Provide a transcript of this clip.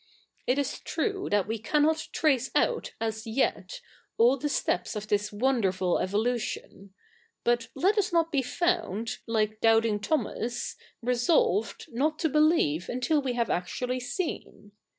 It is true that we cannot trace out, as yet, all the steps of this wo?iderful evolution ; but let us not be found, like doubting Thomas, resolved not to believe until we have actually seen.